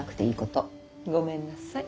ごめんなさい。